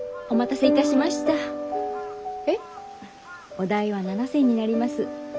お代は７銭になります。